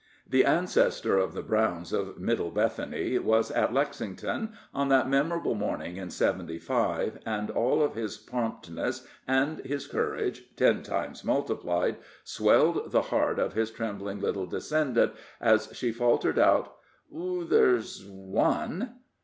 The ancestor of the Browns of Middle Bethany was at Lexington on that memorable morning in '75, and all of his promptness and his courage, ten times multiplied, swelled the heart of his trembling little descendant, as she faltered out: "There's one."